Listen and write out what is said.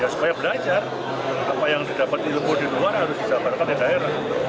supaya belajar apa yang didapat ilmu di luar harus dijabarkan di daerah